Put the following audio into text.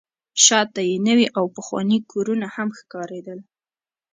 شاته یې نوي او پخواني کورونه هم ښکارېدل.